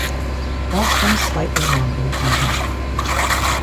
Rostrum slightly longer than head.